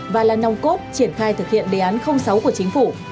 và là nòng cốt triển khai thực hiện đề án sáu của chính phủ